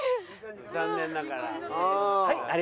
残念ながら。